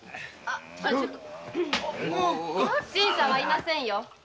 新さんは居ませんよ。